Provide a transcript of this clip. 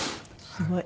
すごい。